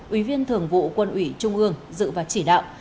ủy viên thường vụ quân ủy trung ương dự và chỉ đạo